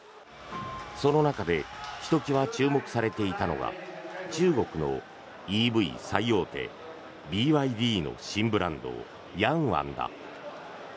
その中でひときわ注目されていたのが中国のＥＶ最大手ＢＹＤの新ブランドヤンワンだ。